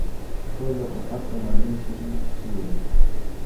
ټول د ټوپک په مرمۍ سوري شوي و.